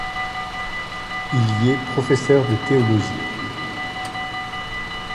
Il y est professeur de théologie.